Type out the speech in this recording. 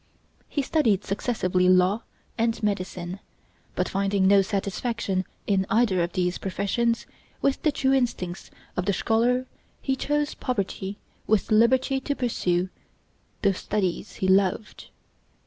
He studied successively law and medicine, but finding no satisfaction in either of these professions, with the true instincts of the scholar he chose poverty with liberty to pursue the studies he loved.